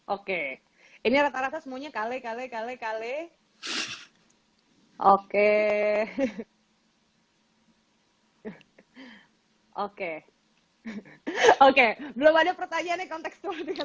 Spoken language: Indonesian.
oke ini rata rata semuanya kale kale kale kale oke oke belum ada pertanyaan